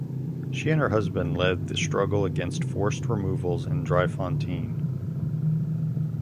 She and her husband led the struggle against forced removals in Driefontein.